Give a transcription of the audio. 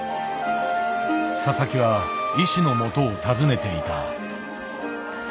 佐々木は医師のもとを訪ねていた。